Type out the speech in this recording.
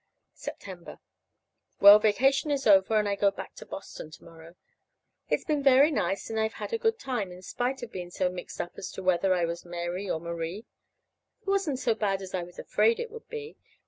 September. Well, vacation is over, and I go back to Boston to morrow. It's been very nice and I've had a good time, in spite of being so mixed up as to whether I was Mary or Marie. It wasn't so bad as I was afraid it would be.